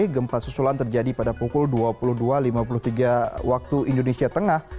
gempa susulan terjadi pada pukul dua puluh dua lima puluh tiga waktu indonesia tengah